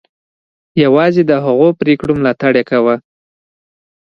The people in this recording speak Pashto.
یوازې د هغو پرېکړو ملاتړ یې کاوه.